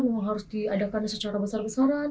memang harus diadakan secara besar besaran